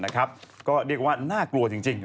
ก็เรียกว่าน่ากลัวจริง